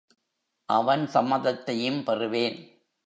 அவன் சம்மதத்தையும் பெறுவேன்.